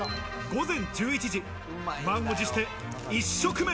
午前１１時、満を持して１食目。